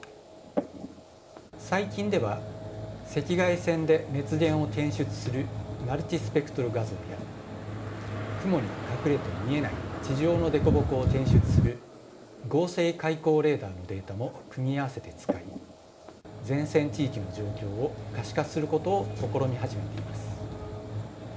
最近では赤外線で熱源を検出するマルチスペクトル画像や雲に隠れて見えない地上の凸凹を検出する合成開口レーダーのデータも組み合わせて使い前線地域の状況を可視化することを試み始めています。